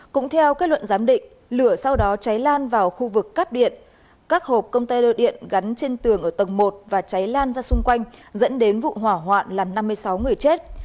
cũng theo kết luận giám định lửa sau đó cháy lan vào khu vực cắp điện các hộp công tay đồ điện gắn trên tường ở tầng một và cháy lan ra xung quanh dẫn đến vụ hỏa hoạn làm năm mươi sáu người chết